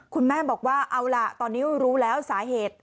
คุณแม่บอกว่าเอาล่ะตอนนี้รู้แล้วสาเหตุ